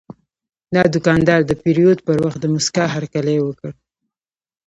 دا دوکاندار د پیرود پر وخت د موسکا هرکلی وکړ.